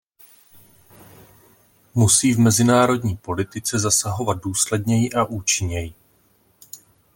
Musí v mezinárodní politice zasahovat důsledněji a účinněji.